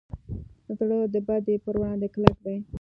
زړه د بدۍ پر وړاندې کلک دی.